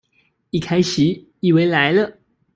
一開始以為來了